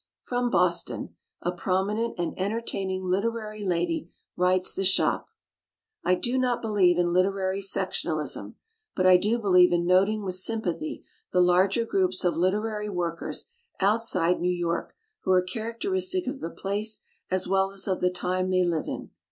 From Boston ! A prominent and en tertaining literary lady writes the Shop: I do not believe in literary sectionalism ; but I do believe in noting with sympathy the larger groups of literary workers outside New York who are characteristic of the place as weU as of the time they live in.